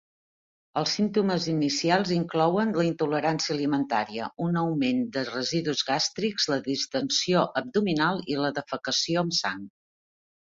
Els símptomes inicials inclouen la intolerància alimentària, un augment de residus gàstrics, la distensió abdominal i la defecació amb sang.